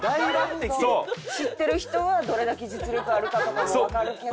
知ってる人はどれだけ実力あるかとかもわかるけど。